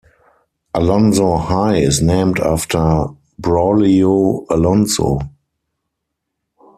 Alonso High is named after Braulio Alonso.